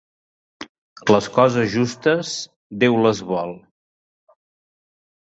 Les coses justes Déu les vol.